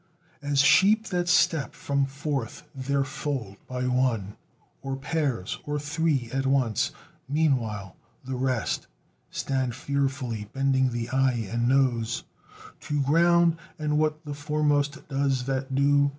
As sheep that step from forth their fold by one Or pairs, or three at once; meanwhile the rest Stand fearfully, bending the eye and nose To ground, and what the foremost does, that do.